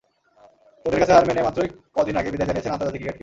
চোটের কাছে হার মেনে মাত্রই কদিন আগে বিদায় জানিয়েছেন আন্তর্জাতিক ক্রিকেটকে।